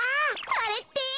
あれって？